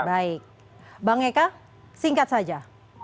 baik bang eka singkat saja